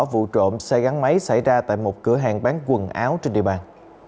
vụ trộm xe gắn máy xảy ra tại một cửa hàng bán quần áo trên địa bàn